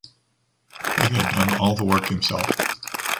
He had done all the work himself.